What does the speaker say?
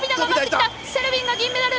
セルビンが銀メダル。